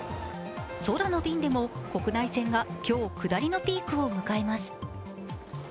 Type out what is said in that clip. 空の便でも国内線が今日、下りのピークを迎えます。